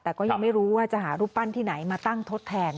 แต่ก็ยังไม่รู้ว่าจะหารูปปั้นที่ไหนมาตั้งทดแทน